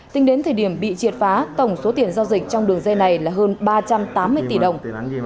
tính đến thời điểm bị triệt phá tổng số tiền giao dịch trong đường dây này là hơn ba trăm tám mươi tỷ đồng